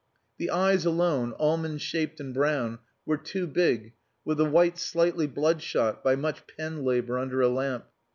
The eyes alone, almond shaped and brown, were too big, with the whites slightly bloodshot by much pen labour under a lamp.